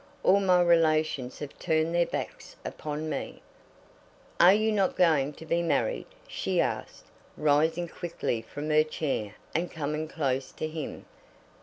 All my relations have turned their backs upon me " "Are you not going to be married?" she said, rising quickly from her chair and coming close to him.